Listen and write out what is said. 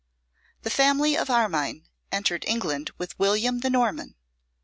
_ THE family of Armine entered England with William the Norman.